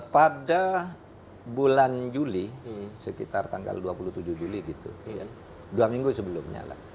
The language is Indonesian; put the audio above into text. pada bulan juli sekitar tanggal dua puluh tujuh juli gitu dua minggu sebelumnya lah